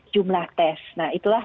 jumlah tes nah itulah